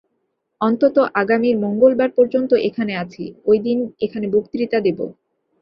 অন্তত আগামী মঙ্গলবার পর্যন্ত এখানে আছি, ঐদিন এখানে বক্তৃতা দেব।